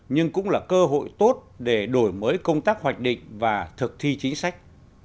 nhưng cũng là cơ hội tốt để đổi mới công tác hoạch định và thực thi chính sách